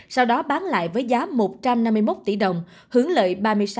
sau đó bán lại với giá một trăm năm mươi một tỷ đồng hướng lợi ba mươi sáu